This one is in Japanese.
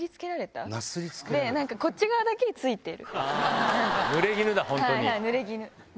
こっち側だけついてる。